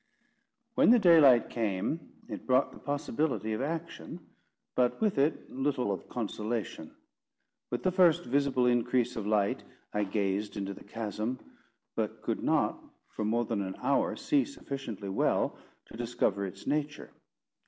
When the daylight came, it brought the possibility of action, but with it little of consolation. With the first visible increase of light, I gazed into the chasm, but could not, for more than an hour, see sufficiently well to discover its nature.